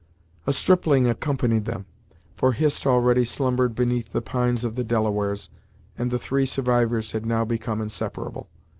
A stripling accompanied them, for Hist already slumbered beneath the pines of the Delawares, and the three survivors had now become inseparable.